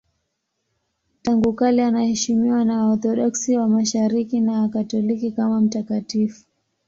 Tangu kale anaheshimiwa na Waorthodoksi wa Mashariki na Wakatoliki kama mtakatifu.